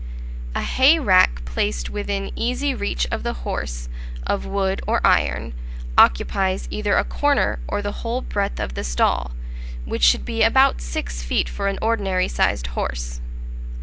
A hay rack placed within easy reach of the horse, of wood or iron, occupies either a corner or the whole breadth of the stall, which should be about six feet for on ordinary sized horse.